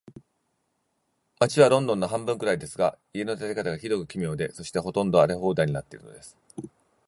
街はロンドンの半分くらいですが、家の建て方が、ひどく奇妙で、そして、ほとんど荒れ放題になっているのです。